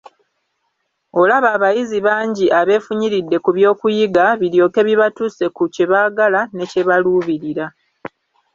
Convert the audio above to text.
Olaba abayizi bangi abeefunyiridde ku by'okuyiga, biryoke bibatuuse ku kye baagala ne kye baluubirira.